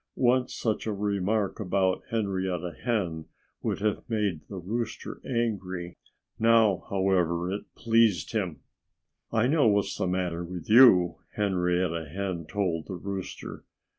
Once such a remark about Henrietta Hen would have made the rooster angry. Now, however, it pleased him. "I know what's the matter with you," Henrietta Hen told the rooster.